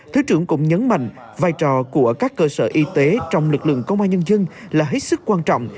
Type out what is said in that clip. thứ trưởng cũng nhấn mạnh vai trò của các cơ sở y tế trong lực lượng công an nhân dân là hết sức quan trọng